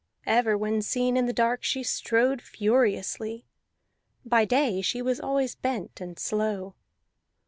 Ever when seen in the dark she strode furiously; by day she was always bent and slow.